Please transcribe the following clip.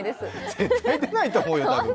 絶対出ないと思うよ、たぶん。